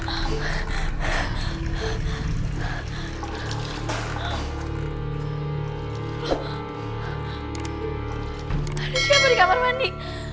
ada siapa di kamar mandi